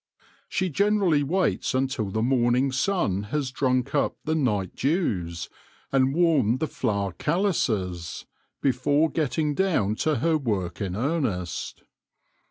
She generally waits until the morning sun has drunk up the night dews, and warmed the flower calyces, before getting down to her work in earnest.